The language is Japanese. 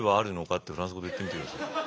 ってフランス語で言ってみてください。